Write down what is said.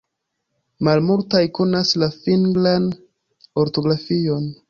Malmultaj konas la fingran ortografion.